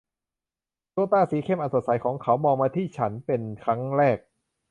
ดวงตาสีเข้มอันสดใสของเขามองมาที่ฉันเป็นครั้งแรก